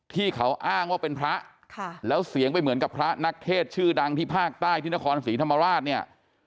ที่เขาอ้างว่าเป็นพระแล้วเสียงไปเหมือนกับพระนักเทศชื่อดังที่ภาคใต้ที่นครศรีธรรมราชเนี่ย